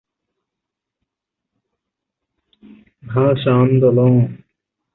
একটি গ্রুপে একই কনফেডারেশনের দুটি দল রাখা হয়নি।